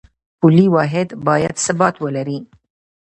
پولي واحد باید ثبات ولري